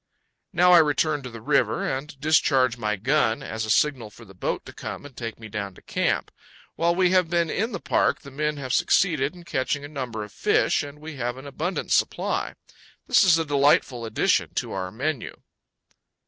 Now I return to the river and discharge my gun, as a signal for the boat to come and take me down to camp. While we have been in the park the men have succeeded in catching a number of fish, and we have an abundant supply. This is a delightful addition to our menu.